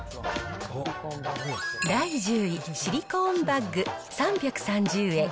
第１０位、シリコーンバッグ３３０円。